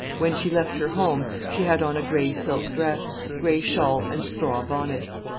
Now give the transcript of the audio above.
When she left her home, she had on a grey silk dress, grey shawl, and straw bonnet.